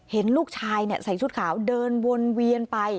เห็นลูกชายใส่ชุดขาวเดินวนเวียนไป